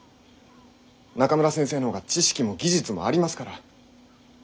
中村先生の方が知識も技術もありますから。